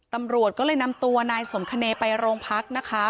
ตำรวจก็เลยนำตัวนายสมคเนย์ไปโรงพักนะคะ